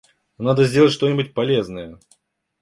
Надо сделать что-нибудь полезное!